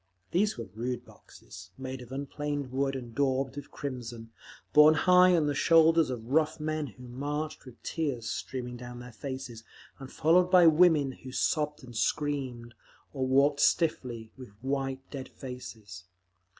These were rude boxes, made of unplaned wood and daubed with crimson, borne high on the shoulders of rough men who marched with tears streaming down their faces, and followed by women who sobbed and screamed, or walked stiffly, with white, dead faces.